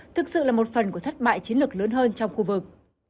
thực sự là một phần của thất bại chiến lược lớn hơn trong khu vực